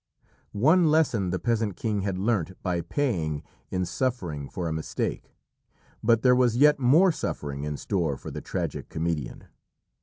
One lesson the peasant king had learnt by paying in suffering for a mistake, but there was yet more suffering in store for the tragic comedian.